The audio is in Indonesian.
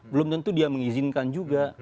belum tentu dia mengizinkan juga